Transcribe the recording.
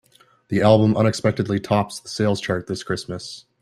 The album unexpectedly tops the sales chart this Christmas.